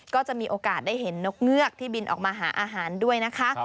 ก็จะมีโอกาสได้เห็นนกเงือกที่บินออกมาหาอาหารด้วยนะคะ